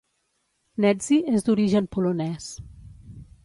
Nedzi és d'origen polonès.